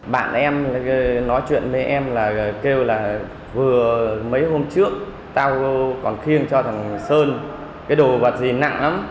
bạn em nói chuyện với em là kêu là vừa mấy hôm trước tao còn khiêng cho thằng sơn cái đồ vật gì nặng lắm